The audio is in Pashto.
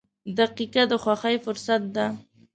• دقیقه د خوښۍ فرصت ده.